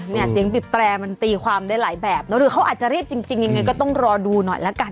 เนี่ยเสียงบีบแตรมันตีความได้หลายแบบเนอะหรือเขาอาจจะรีบจริงยังไงก็ต้องรอดูหน่อยละกัน